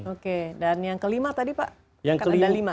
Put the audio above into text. oke dan yang kelima tadi pak